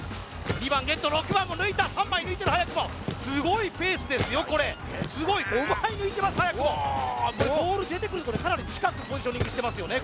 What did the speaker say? ２番ゲット６番も抜いた３枚抜いてる早くもですよこれすごい５枚抜いてます早くもボール出てくるとねかなり近くポジショニングしてますよね